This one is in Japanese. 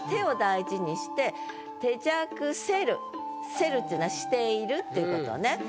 「せる」っていうのは「している」っていう事ね。